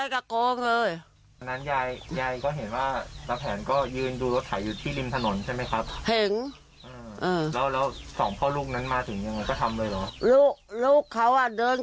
กล้าเหรอ